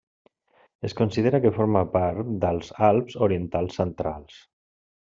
Es considera que forma part dels Alps orientals centrals.